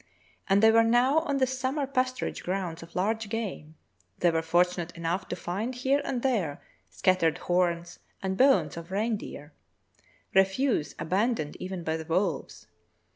As they were now on the summer pasturage grounds of large game, they were fortunate enough to find here and there scattered horns and bones of reindeer — refuse abandoned even by the wolves.